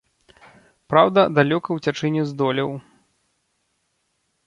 Праўда, далёка уцячы не здолеў.